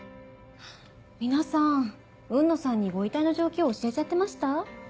皆さん雲野さんにご遺体の状況教えちゃってました？